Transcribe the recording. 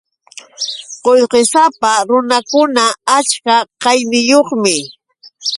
Qullqisapa runakuna achka kaqniyuqmi.